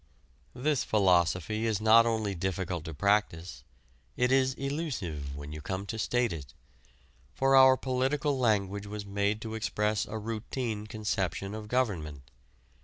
This philosophy is not only difficult to practice: it is elusive when you come to state it. For our political language was made to express a routine conception of government.